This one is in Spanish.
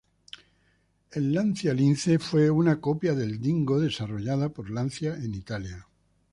El Lancia Lince fue una copia del Dingo, desarrollado por Lancia en Italia.